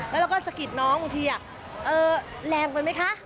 แล้วเราก็สะกิดน้องบางทีแรงไปไหมคะ